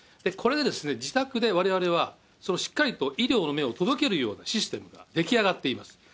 これで、自宅でわれわれは、そのしっかりと医療の面を届けるようなシステムが出来上がっています。